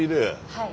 はい。